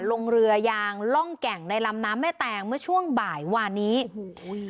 ลงเรือยางล่องแก่งในลำน้ำแม่แตงเมื่อช่วงบ่ายวานนี้โอ้โห